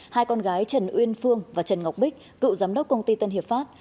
hai con gái trần uyên phương và trần ngọc bích cựu giám đốc công ty tân hiệp pháp